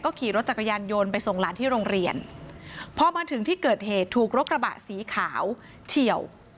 ขี่รถจักรยานยนต์ไปส่งหลานที่โรงเรียนพอมาถึงที่เกิดเหตุถูกรถกระบะสีขาวเฉียว